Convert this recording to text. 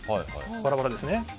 バラバラですね。